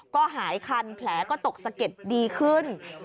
ก็หายคันแผลก็ตกสะเก็ดดีขึ้น